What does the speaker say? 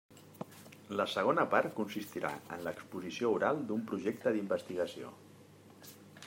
La segona part consistirà en l'exposició oral d'un projecte d'investigació.